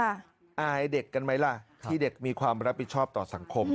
อายเด็กกันไหมล่ะที่เด็กมีความรับผิดชอบต่อสังคม